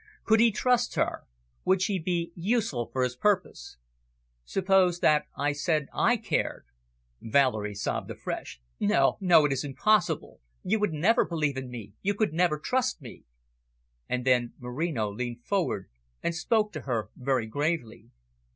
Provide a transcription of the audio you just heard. Could he trust her would she be useful for his purpose? "Suppose that I said I cared?" Violet sobbed afresh. "No, no, it is impossible. You would never believe in me, you could never trust me." And then Moreno leaned forward and spoke to her, very gravely.